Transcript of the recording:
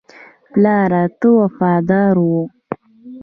پلار ته وفادار وو.